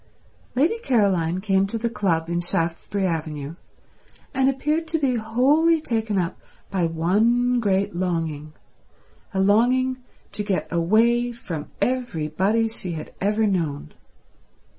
Lady Caroline came to the club in Shaftesbury Avenue, and appeared to be wholly taken up by one great longing, a longing to get away from everybody she had ever known.